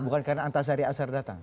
bukan karena antasari azhar datang